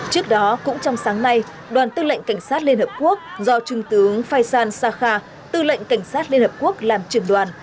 trước đó cũng trong sáng nay đoàn tư lệnh cảnh sát liên hợp quốc do trung tướng faisal shah khả tư lệnh cảnh sát liên hợp quốc làm truyền đoàn